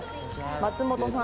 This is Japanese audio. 松本さん。